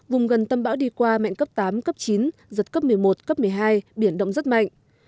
vùng gần tâm bão đi qua mạnh cấp tám cấp chín giật cấp một mươi một cấp một mươi hai biển động rất mạnh